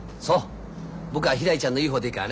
僕はひらりちゃんのいい方でいいからね。